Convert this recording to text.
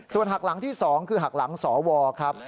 ส่วนหักหลังที่๒คือหักหลังสวครับ